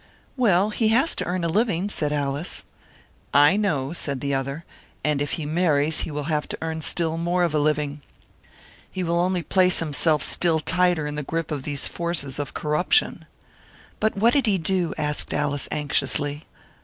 "Well, he has to earn a living," said Alice. "I know," said the other; "and if he marries, he will have to earn still more of a living. He will only place himself still tighter in the grip of these forces of corruption." "But what did he do?" asked Alice, anxiously.